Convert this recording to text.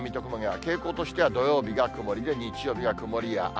傾向としては、土曜日が曇りで日曜日が曇りや雨。